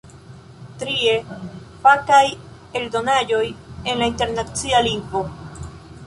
Trie, fakaj eldonaĵoj en la internacia lingvo.